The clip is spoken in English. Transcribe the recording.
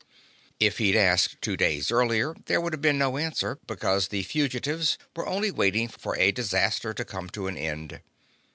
If he'd asked two days earlier there would have been no answer, because the fugitives were only waiting for a disaster to come to an end.